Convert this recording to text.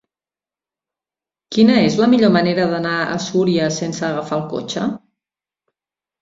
Quina és la millor manera d'anar a Súria sense agafar el cotxe?